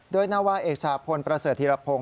ด้วยนวาเอกสาพพลประเสริฐีระพง